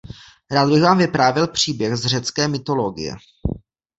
Rád bych vám vyprávěl příběh z řecké mytologie.